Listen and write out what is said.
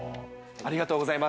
ありがとうございます。